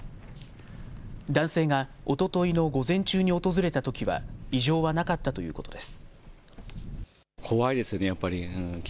男性がおとといの午前中に訪れたときは異常はなかったということです。